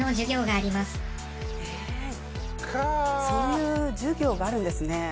そういう授業があるんですね。